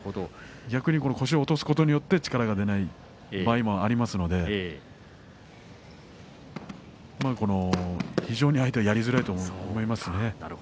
腰を落とすことによって力が出ない場合もありますので非常に相手はやりづらいと思います。